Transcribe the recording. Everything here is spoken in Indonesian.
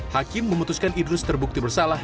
hakim memutuskan idrus terbukti bersalah